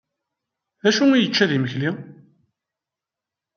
D acu i yečča d imekli?